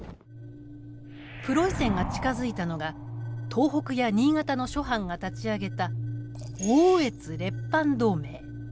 プロイセンが近づいたのが東北や新潟の諸藩が立ち上げた奥羽越列藩同盟。